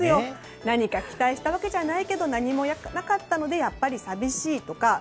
何か期待したわけじゃないが何もなかったのでやっぱり寂しいとか。